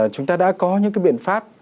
chúng ta đã có những cái biện pháp